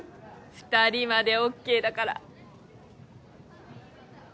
２人までＯＫだから。